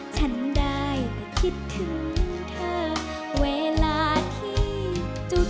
ฉันได้คิดถึงเธอเวลาที่จุด